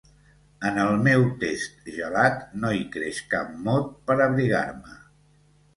En el meu test gelat no hi creix cap mot per abrigar-me.